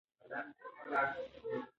هغوی باید د حیواناتو سره مینه وکړي.